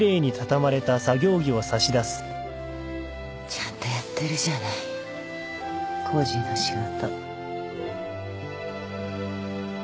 ちゃんとやってるじゃない工事の仕事。